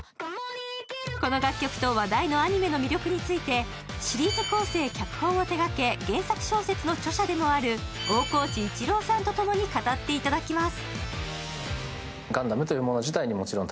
この楽曲と話題のアニメの魅力についてシリーズ構成・脚本を手がけ原作小説の著者でもある大河内一楼さんとともに語っていただきます。